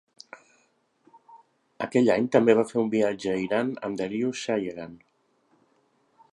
Aquell any també va fer un viatge a Iran amb Dariush Shayegan.